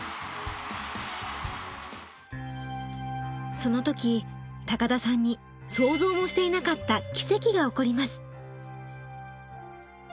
その時田さんに想像もしていなかった奇跡が起こります。